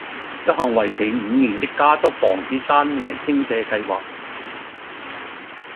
一項為期五年的加速防止山泥傾瀉計劃